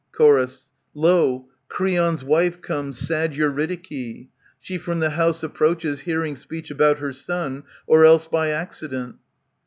C/ior. Lo ! Creon's wife comes, sad Eurydike. *^^ She from the house approaches, hearing speech About her son, or else by accident.